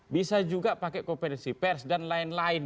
bisa juga pakai konferensi pers dan lain lain